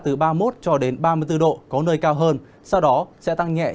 từ ba mươi một ba mươi bốn độ có nơi cao hơn sau đó sẽ tăng nhẹ